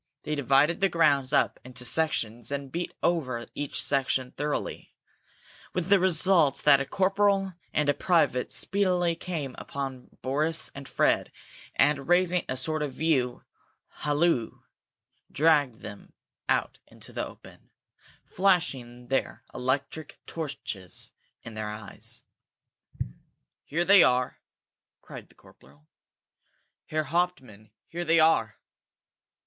They divided the grounds up into sections, and beat over each section thoroughly, with the result that a corporal and a private speedily came upon Boris and Fred, and, raising a sort of view halloo, dragged them out into the open, flashing their electric torches in their eyes. "Here they are!" cried the corporal. "Herr Hauptmann, here they are!"